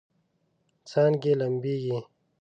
څانګې لمبیږي